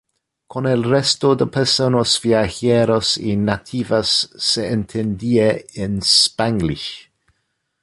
Con el resto de personas viajeras y nativas, se entendía en "spanglish".